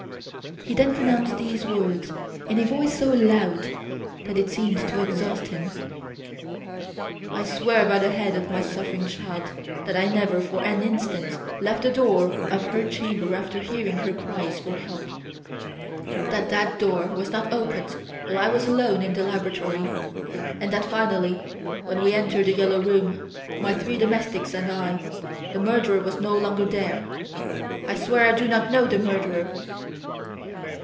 He then pronounced these words, in a voice so loud that it seemed to exhaust him: "I swear by the head of my suffering child that I never for an instant left the door of her chamber after hearing her cries for help; that that door was not opened while I was alone in the laboratory; and that, finally, when we entered "The Yellow Room", my three domestics and I, the murderer was no longer there! I swear I do not know the murderer!"